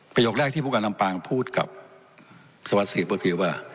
ประโยคแรกที่ผู้การลำปางพูดกับสวัสดิ์ก็คือว่า